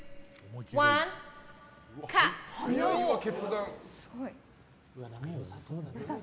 早いよ、決断。